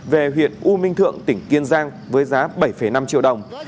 về huyện u minh thượng tỉnh kiên giang với giá bảy năm triệu đồng